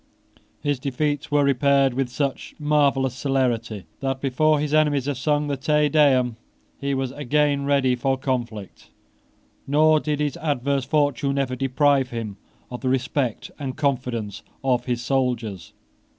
His defeats were repaired with such marvellous celerity that, before his enemies had sung the Te Deum, he was again ready for conflict; nor did his adverse fortune ever deprive him of the respect and confidence of his soldiers.